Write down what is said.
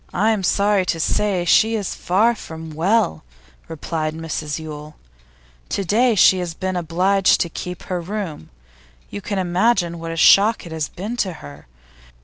'I'm sorry to say she is far from well,' replied Mrs Yule. 'To day she has been obliged to keep her room. You can imagine what a shock it has been to her.